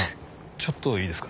ちょっといいですか？